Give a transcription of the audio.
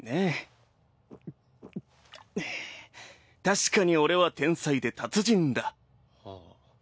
確かに俺は天才で達人だ。はあ。